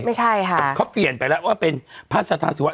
ไม่ใช่ค่ะเขาเปลี่ยนไปแล้วว่าเป็นพระสัทธาสุวัส